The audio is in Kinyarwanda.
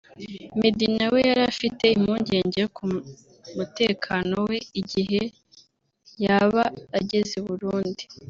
Meddy nawe yari afite impungenge ku mutekano we igihe yaba ageze i Burundi